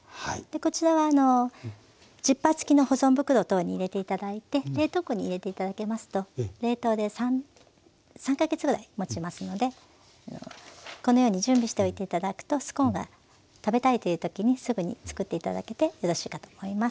こちらはジッパー付きの保存袋等に入れて頂いて冷凍庫に入れて頂けますと冷凍で３か月ぐらいもちますのでこのように準備しておいて頂くとスコーンが食べたいというときにすぐに作って頂けてよろしいかと思います。